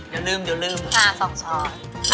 เดี๋ยวลืมช้า๒ช้อน